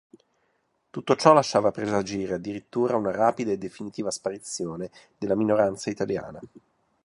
Tutto ciò lasciava presagire addirittura una rapida e definitiva sparizione della minoranza italiana.